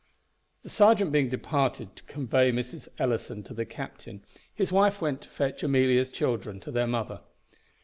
_ The serjeant being departed to convey Mrs. Ellison to the captain, his wife went to fetch Amelia's children to their mother.